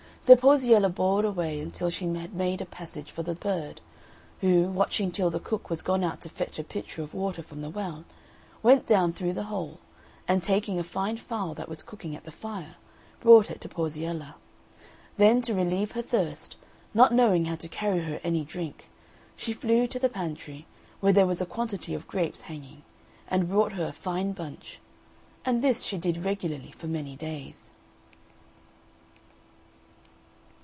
So Porziella bored away until she had made a passage for the bird, who, watching till the cook was gone out to fetch a pitcher of water from the well, went down through the hole, and taking a fine fowl that was cooking at the fire, brought it to Porziella; then to relieve her thirst, not knowing how to carry her any drink, she flew to the pantry, where there was a quantity of grapes hanging, and brought her a fine bunch; and this she did regularly for many days.